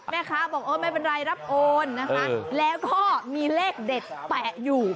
แม่ค้าบอกโอ้ไม่เป็นไรรับโอนนะคะแล้วก็มีเลขเด็ดแปะอยู่